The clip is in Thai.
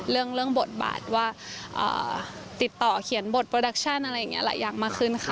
เรื่องบทติดต่อเขียนบทโปรดักชั่นอะไรอย่างมาขึ้นค่ะ